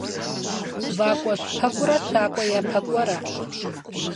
ВакӀуэщпэкӀурэ щакӀуэ япэкӀуэрэ.